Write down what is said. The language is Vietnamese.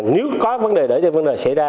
nếu có vấn đề đỡ cho vấn đề xảy ra